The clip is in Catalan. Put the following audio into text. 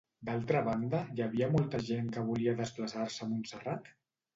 D'altra banda, hi havia molta gent que volia desplaçar-se a Montserrat?